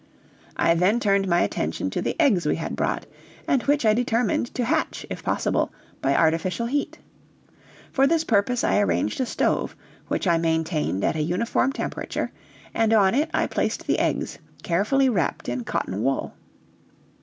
I then turned my attention to the eggs we had brought, and which I determined to hatch, if possible, by artificial heat. For this purpose I arranged a stove, which I maintained at a uniform temperature, and on it I placed the eggs, carefully wrapped in cotton wool.